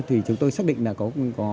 thì chúng tôi xác định là có